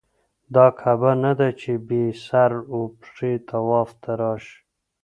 دا کعبه نه ده چې بې سر و پښې طواف ته راشې.